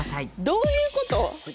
どういうこと？